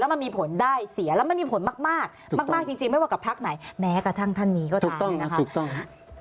แล้วมันมีผลได้เสียแล้วมันมีผลมากมากจริงไม่ว่ากับภาคไหนแม้กระทั่งท่านนี้ก็ได้